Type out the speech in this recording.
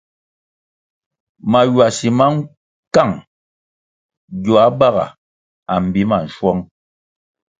Maywasi ma nkang gioa baga a mbi ma nschuong.